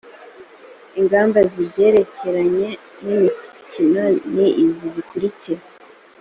ingamba zibyerekeranye n imikino ni izi zikurikira